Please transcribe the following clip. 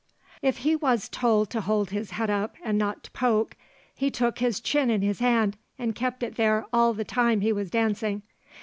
If he was told to hold his head up and not to poke, he took his chin in his hand, and kept it there all the time he was dancing.